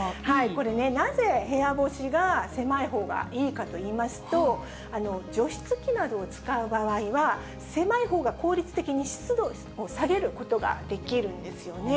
これね、なぜ、部屋干しが、狭いほうがいいかといいますと、除湿器などを使う場合は、狭いほうが効率的に湿度を下げることができるんですよね。